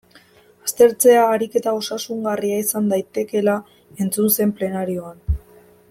Aztertzea ariketa osasungarria izan daitekeela entzun zen plenarioan.